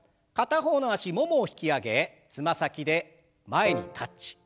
片方の脚ももを引き上げつま先で前にタッチ。